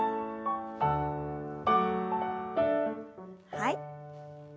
はい。